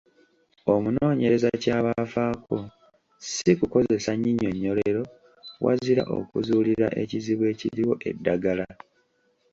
Omunooneyereza ky’aba afaako ssi kukozesa nnyinyonnyolero, wazira okuzuulira ekizibu ekiriwo eddagala.